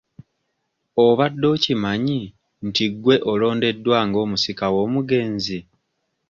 Obadde okimanyi nti gwe alondeddwa nga omusika w'omugenzi?